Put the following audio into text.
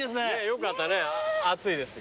よかったね暑いですが。